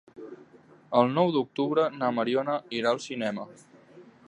El nou d'octubre na Mariona irà al cinema.